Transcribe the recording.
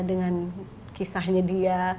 dengan kisahnya dia